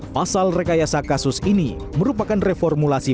pasal rekayasa kasus ini merupakan reformulasi